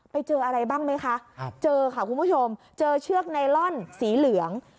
ไปเจออะไรบ้างไหมคะเจอค่ะคุณผู้ชมเจอเชือกไนลอนสีเหลือง